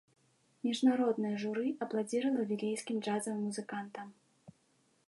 Міжнароднае журы апладзіравала вілейскім джазавым музыкантам.